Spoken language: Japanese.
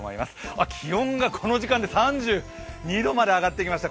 気温がこの時間で３２度まで上がってきました。